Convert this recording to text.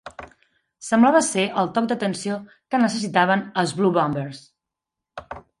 Semblava ser el toc d'atenció que necessitaven els Blue Bombers.